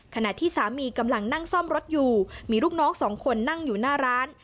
ขณะที่สามีกำลังนั่งซ่อมรถอยู่มีลูกน้องสองคนนั่งอยู่หน้าร้าน